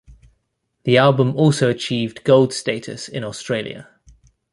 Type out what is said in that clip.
The album also achieved gold status in Australia.